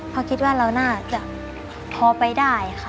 เพราะคิดว่าเราน่าจะพอไปได้ค่ะ